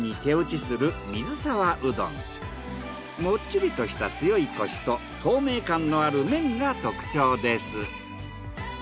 もっちりとした強いコシと透明感のある麺が特徴です。